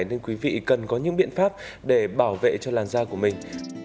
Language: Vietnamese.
nên quý vị cần có những biện pháp để bảo vệ cho làn da của mình